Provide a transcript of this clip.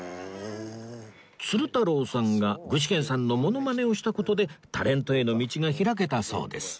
鶴太郎さんが具志堅さんのモノマネをした事でタレントへの道が開けたそうです